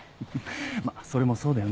まあそれもそうだよね。